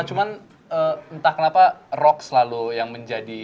cuman entah kenapa rock selalu yang menjadi